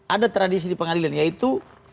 ada tradisi di pengadilan yaitu